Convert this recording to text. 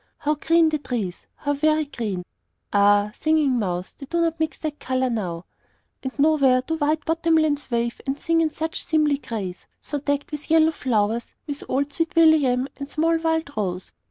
How green the trees how very green! Ah, Singing Mouse, they do not mix that color now. And nowhere do wide bottom lands wave and sing in such seemly grace, so decked with yellow flowers, with odd sweet william and the small wild rose.